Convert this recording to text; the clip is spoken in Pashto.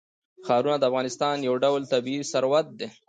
ښارونه د افغانستان یو ډول طبعي ثروت دی.